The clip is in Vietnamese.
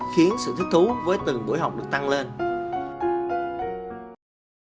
khiến sự thích thú với từng buổi học được tăng lên